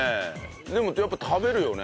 でもやっぱ食べるよね。